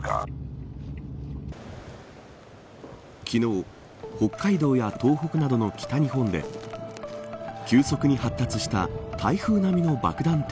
昨日、北海道や東北などの北日本で急速に発達した台風並みの爆弾